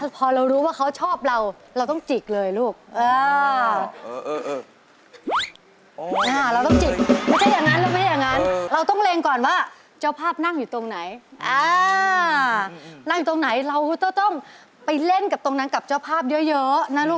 เพื่อหาพี่ฝนมาบันเถงซังที่เรากำลังสนใจอยู่